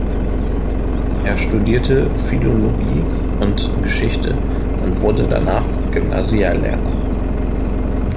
Er studierte Philologie und Geschichte und wurde danach Gymnasiallehrer.